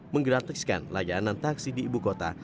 menggratiskan layanan taksi di ibu kota